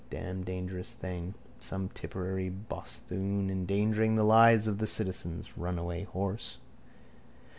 Damn dangerous thing. Some Tipperary bosthoon endangering the lives of the citizens. Runaway horse.